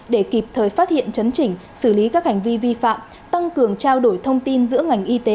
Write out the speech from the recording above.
để kịp thời phát hiện chấn chỉnh xử lý các hành vi vi phạm tăng cường trao đổi thông tin giữa ngành y tế